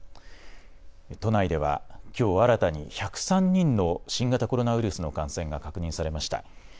都内ではきょう新たに１０３人の新型コロナウイルスの感染が確認されました。